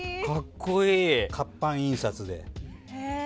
活版印刷で。